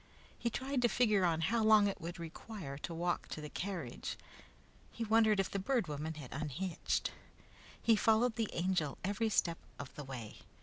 He tried to figure on how long it would require to walk to the carriage. He wondered if the Bird Woman had unhitched. He followed the Angel every step of the way.